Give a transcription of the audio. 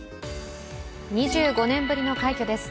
２５年ぶりの快挙です。